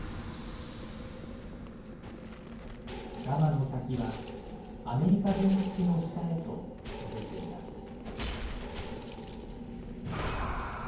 ガマの先はアメリカ軍基地の下へと続いています。